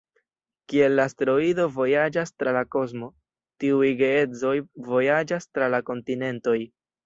Kiel la asteroido vojaĝas tra la kosmo, tiuj geedzoj vojaĝas tra la kontinentoj.